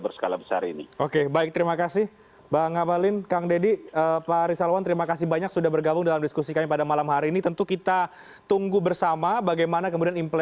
berskala besar ini